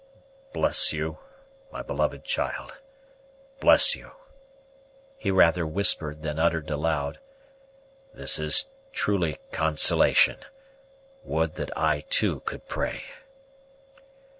"Bless you, my beloved child! bless you!" he rather whispered than uttered aloud; "this is truly consolation: would that I too could pray!"